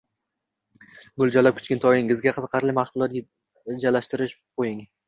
mo‘ljallab kichkintoyingizga qiziqarli mashg‘ulot rejalashtirib qo‘ying.